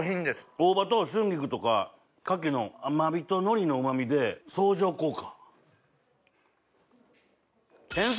大葉と春菊とか牡蠣の甘みと海苔のうま味で相乗効果。